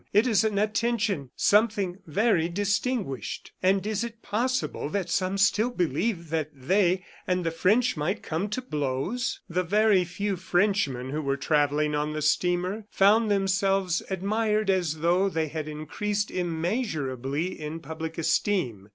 It is an attention ... something very distinguished. ... And is it possible that some still believe that they and the French might come to blows?" The very few Frenchmen who were travelling on the steamer found themselves admired as though they had increased immeasurably in public esteem.